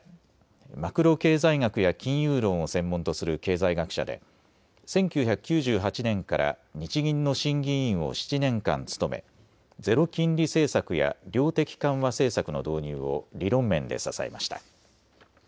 マクロ経済学や金融論を専門とする経済学者で１９９８年から日銀の審議委員を７年間務め、ゼロ金利政策や量的緩和政策の導入を理論面で支えました。